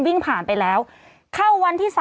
วิ่งผ่านไปแล้วเข้าวันที่๓